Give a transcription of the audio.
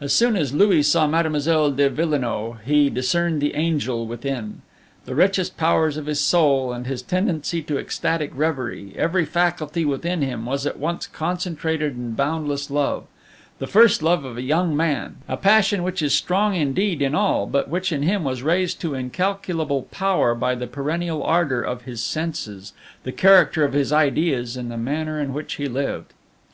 As soon as Louis saw Mademoiselle de Villenoix, he discerned the angel within. The richest powers of his soul, and his tendency to ecstatic reverie, every faculty within him was at once concentrated in boundless love, the first love of a young man, a passion which is strong indeed in all, but which in him was raised to incalculable power by the perennial ardor of his senses, the character of his ideas, and the manner in which he lived.